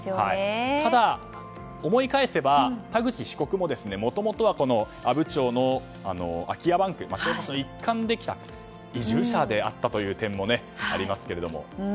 ただ、思い返せば田口被告ももともとは阿武町の空き家バンク移住者であったという点もありますけれども。